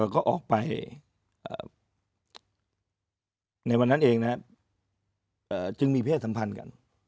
ก็ออกไปในวันนั้นเองนะครับจึงมีเพศสัมพันธ์กัน